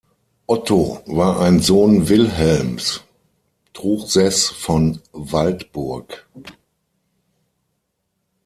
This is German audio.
Otto war ein Sohn Wilhelms, Truchseß von Waldburg.